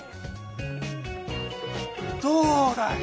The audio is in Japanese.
どうだい！